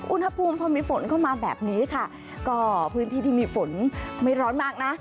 อุณหภูมิพอมีฝนเข้ามาแบบนี้ค่ะก็พื้นที่ที่มีฝนไม่ร้อนมากนะ